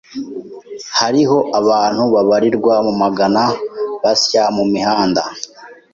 Hariho abantu babarirwa mu magana basya mu mihanda.